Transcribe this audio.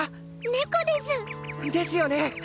猫です！ですよね！